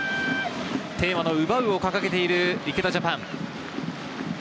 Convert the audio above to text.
テーマの「奪う」を掲げている池田ＪＡＰＡＮ。